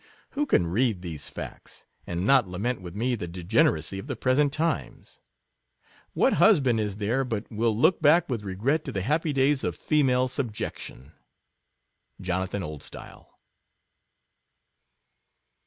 Who can read these facts, and not lament with me the degeneracy of the present times; — what husband is there but will look back with regret to the happy days of female sub jection. Jonathan Oldstyle.